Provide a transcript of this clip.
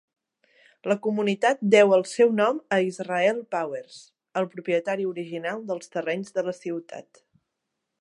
La comunitat deu el seu nom a Israel Powers, el propietari original dels terrenys de la ciutat.